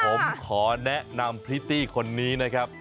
ผมขอแนะนำพริตตี้คนนี้นะครับ